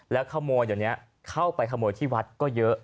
แล้วขโมยเดี๋ยวนี้เข้าไปขโมยที่วัดก็เยอะ